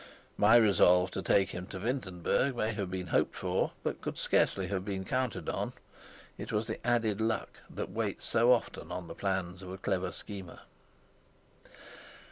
My resolve to take him to Wintenberg may have been hoped for, but could scarcely have been counted on; it was the added luck that waits so often on the plans of a clever schemer.